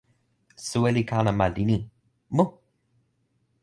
soweli kalama li ni: mu!